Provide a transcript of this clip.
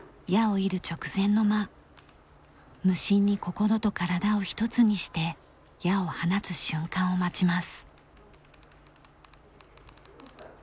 無心に心と体をひとつにして矢を放つ瞬間を待ちます。